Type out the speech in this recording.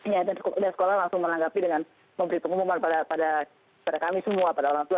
ya dan sekolah langsung menanggapi dengan memberi pengumuman pada kami semua pada orang tua